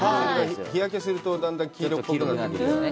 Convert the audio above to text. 日焼けすると、だんだん黄色っぽくなって。